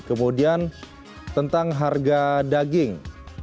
kemudian tentang harga daging